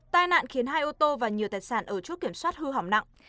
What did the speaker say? tai nạn khiến hai ô tô và nhiều tài sản ở chốt kiểm soát hư hỏng nặng